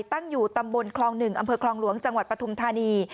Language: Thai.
ตั้งอยู่ตำบลคลอง๑อำเภอคลองหลวงจังหวัดปฐุมธานี